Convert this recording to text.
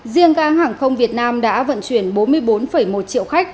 riêng cảng hàng không việt nam đã vận chuyển bốn mươi bốn triệu lượt khách